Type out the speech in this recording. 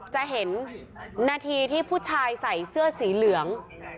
จะเห็นนาทีที่ผู้ชายใส่เสื้อสีเหลือง